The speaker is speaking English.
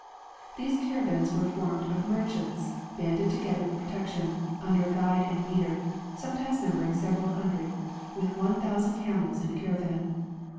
These caravans Avere formed of merchants banded together for protection, under a guide and leader, sometimes numbering several hundred, with one thousand camels in a caravan.